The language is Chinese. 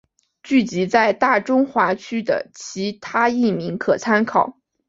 剧集在大中华区的其他译名可参考。